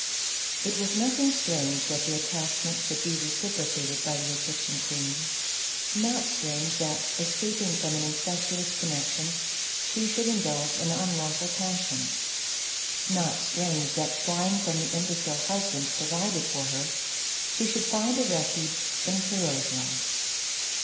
It was nothing strange that the attachment should CLEOPATRA. 23 be reciprocated by the Egyptian queen, — not strange that, escaping from an incestuous connection, she should indulge an unlawful passion, — not strange that, flying from the imbecile husband provided for her, she should find a refuge "in a hero's love."